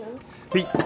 はい